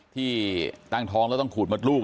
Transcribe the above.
ที่ตั้งท้องแล้วต้องขูดมดลูก